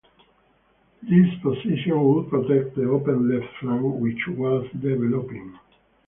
This position would protect the open left flank which was developing.